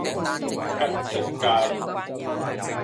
吉席街